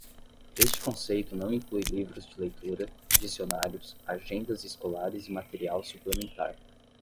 Este conceito não inclui livros de leitura, dicionários, agendas escolares e material suplementar.